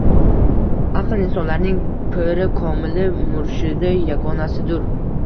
Aql insonlarning piri komili, murshidi yagonasidur